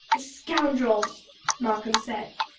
"The scoundrels!" Malcolm said.